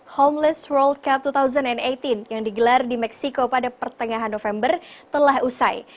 homeless world cup dua ribu delapan belas yang digelar di meksiko pada pertengahan november telah usai